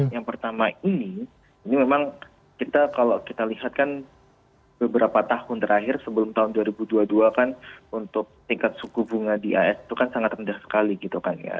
yang pertama ini ini memang kita kalau kita lihat kan beberapa tahun terakhir sebelum tahun dua ribu dua puluh dua kan untuk tingkat suku bunga di as itu kan sangat rendah sekali gitu kan ya